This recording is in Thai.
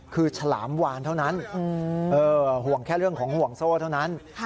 คือฉลามวานเท่านั้นห่วงแค่เรื่องของห่วงโซ่เท่านั้น